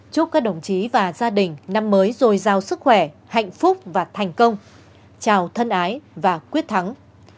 chúc các đồng chí và gia đình năm mới dồi dào sức khỏe hạnh phúc và thành công chào thân ái và quyết thắng